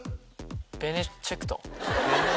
ベネチェクト。